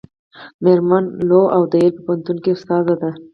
میرمن لو د ییل په پوهنتون کې استاده ده.